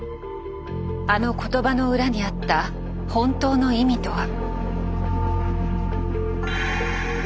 あの言葉の裏にあった本当の意味とは？